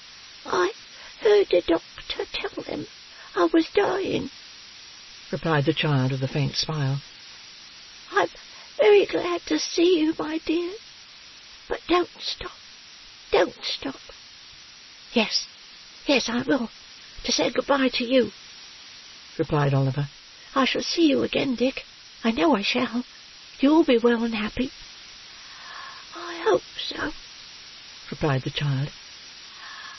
"I heard the doctor tell them I was dying," replied the child with a faint smile. "I am very glad to see you, dear; but don't stop, don't stop!" "Yes, yes, I will, to say good b'ye to you," replied Oliver. "I shall see you again, Dick. I know I shall! You will be well and happy!" "I hope so," replied the child.